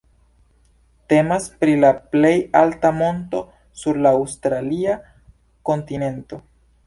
Temas pri la plej alta monto sur la aŭstralia kontinento.